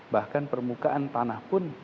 bahkan permukaan tanah pun